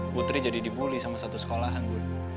putri jadi dibully sama satu sekolahan bu